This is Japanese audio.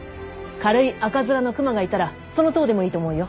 軽い赤面の熊がいたらその痘でもいいと思うよ。